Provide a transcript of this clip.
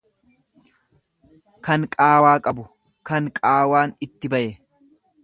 kan qaawaa qabu, kan qaawaan itti baye.